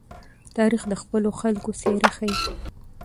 تاریخ د خپلو خلکو څېره ښيي.